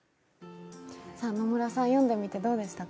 野村さん、読んでみてどうでしたか？